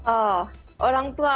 oh orang tua aku